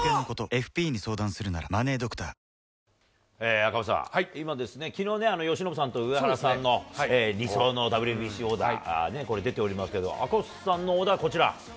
赤星さん、今、きのう、由伸さんと上原さんの理想のＷＢＣオーダーね、これ出ておりますけれども、赤星さんのオーダー、こちら。